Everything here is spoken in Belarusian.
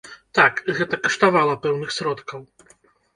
Так, гэта каштавала пэўных сродкаў.